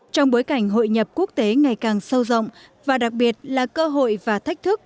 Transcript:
trong bối cảnh hội nhập quốc tế ngày càng sâu rộng và đặc biệt là cơ hội và thách thức